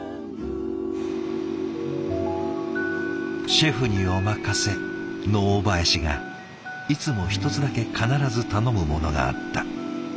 シェフにお任せの大林がいつも一つだけ必ず頼むものがあった。